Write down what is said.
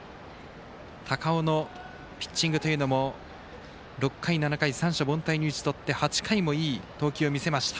高尾のピッチングというのも６回、７回三者凡退に打ち取って８回もいい投球を見せました。